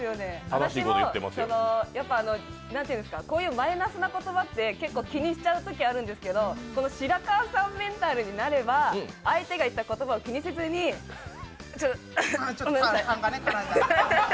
私もこういうマイナスな言葉って結構気にしちゃうときあるんですけどこの白川さんメンタルになれば、相手が言った言葉を気にせずにちょっとたんが絡んだね。